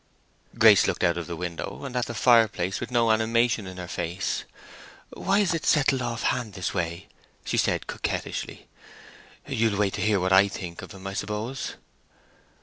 Grace looked out of the window and at the fireplace with no animation in her face. "Why is it settled off hand in this way?" said she, coquettishly. "You'll wait till you hear what I think of him, I suppose?"